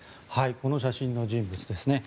この写真の人物ですね。